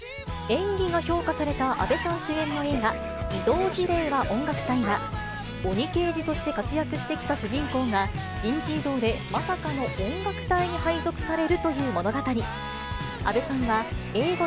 演技が評価された阿部さん主演の映画、異動辞令は音楽隊！は、鬼刑事として活躍してきた主人公が、人事異動でまさかの音楽隊に配属されるという物語。